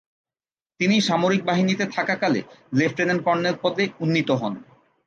তিনি সামরিক বাহিনীতে থাকাকালে লেফট্যানেন্ট-কর্নেল পদে উন্নীত হন।